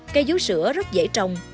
cây vú sữa rất dễ trồng